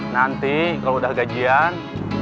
nanti kalau udah gajian